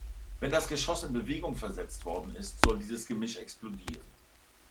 Wenn das Geschoss in Bewegung versetzt worden ist, soll dieses Gemisch explodieren.